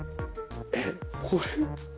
えっこれ。